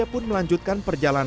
dan dikarengkan dengan kota sedemikian